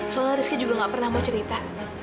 soalnya rizky juga gak pernah mau cerita